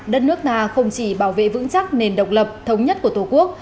đất nước ta không chỉ bảo vệ vững chắc nền độc lập thống nhất của tổ quốc